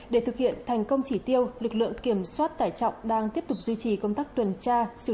để thực hiện thành công chỉ tiêu lực lượng kiểm soát tải trọng đang tiếp tục duy trì công tác tuần tra